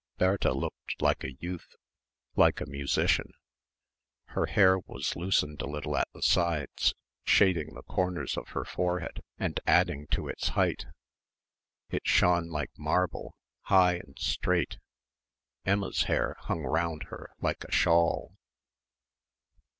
Bertha looked like a youth like a musician. Her hair was loosened a little at the sides, shading the corners of her forehead and adding to its height. It shone like marble, high and straight. Emma's hair hung round her like a shawl.